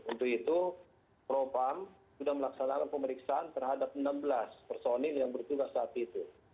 untuk itu propam sudah melaksanakan pemeriksaan terhadap enam belas personil yang bertugas saat itu